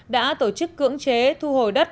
đã tổ chức cưỡng chế thu hồi đất